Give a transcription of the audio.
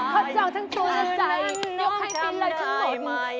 ขอจองทั้งตัวและใจยกให้ไปเลยทั้งหมด